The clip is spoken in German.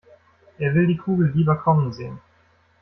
Er will die Kugel lieber kommen sehen.